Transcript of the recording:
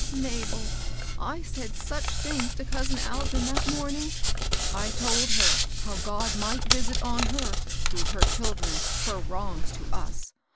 " Mabel, I said such things to cousin Algin that morning ! I told her how God might visit on her, through her children, her wrongs to us.